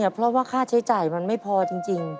เพราะว่าค่าใช้จ่ายมันไม่พอจริง